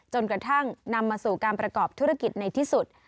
จนกระทั่งนำมาสู่การประกอบธุรกิจในที่สุด